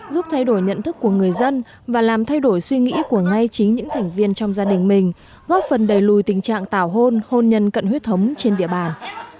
giúp thay đổi nhận thức của người dân và làm thay đổi suy nghĩ của ngay chính những thành viên trong gia đình mình góp phần đầy lùi tình trạng tảo hôn hôn nhân cận huyết thống trên địa bàn